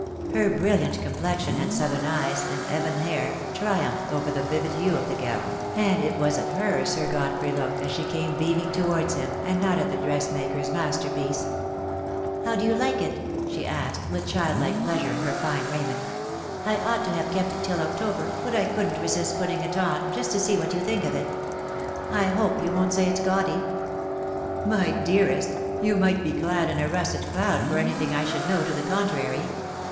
Her brilliant complexion and southern eyes and ebon hair triumphed over the vivid hue of the gown, and it Avas at her Sir Godfrey looked as she came beaming to wards him, and not at the dressmaker's master piece. "How do you like it?" she asked, with childlike pleasure in her fine raiment. "I ought to have kept it till October, but I couldn't resist putting it on, just to see what you think of it. I hope you won't say it's gaudy." "My dearest, you might be clad in a russet cloud for anything I should know to the contrary.